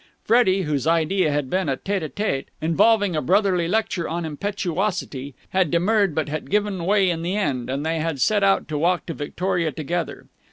Freddie, whose idea had been a tête à tête involving a brotherly lecture on impetuosity, had demurred but had given way in the end; and they had set out to walk to Victoria together.